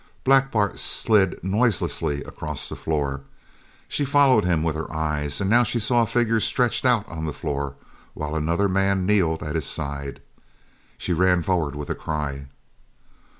Black Bart slid noiselessly across the floor. She followed him with her eyes, and now she saw a figure stretched straight out on the floor while another man kneeled at his side. She ran forward with a cry.